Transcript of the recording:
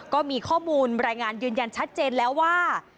ก็มีข้อมูลรายงานยืนยันชัดเจนแล้วว่า